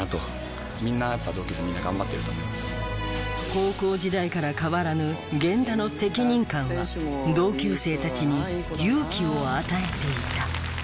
高校時代から変わらぬ源田の責任感は同級生たちに勇気を与えていた。